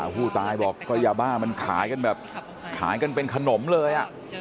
ผู้ตายบอกก็ยาบ้ามันขายกันแบบขายกันเป็นขนมเลย